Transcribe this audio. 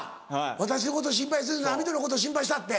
私のこと心配するより網戸のこと心配した！って。